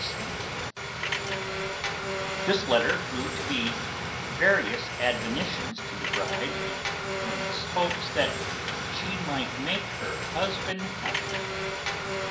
[Sidenote: A Nice Letter] This letter proved to be various admonitions to the bride and earnest hopes that she might make her husband happy.